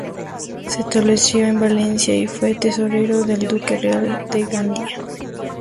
Se estableció en Valencia y fue tesorero del Duque Real de Gandía.